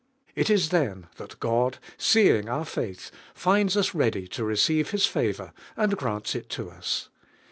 It is then that Grid, seeing our faith, finds ns ready to receive His favor and grants it to us.